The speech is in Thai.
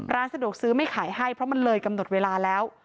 ร้านสะดวกซื้อไม่ขายให้เพราะมันเลยกำหนดเวลาแล้ว